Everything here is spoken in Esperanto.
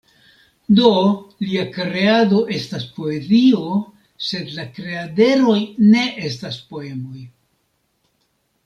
Do, lia kreado estas poezio, sed la kreaderoj ne estas poemoj!